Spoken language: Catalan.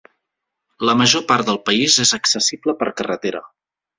La major part del país és accessible per carretera.